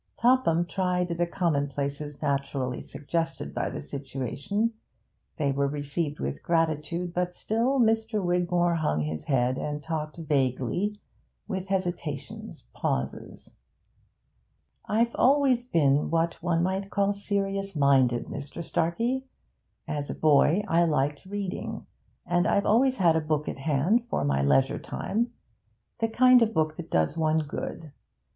Topham tried the commonplaces naturally suggested by the situation; they were received with gratitude, but still Mr. Wigmore hung his head and talked vaguely, with hesitations, pauses. 'I've always been what one may call serious minded, Mr. Starkey. As a boy I liked reading, and I've always had a book at hand for my leisure time the kind of book that does one good.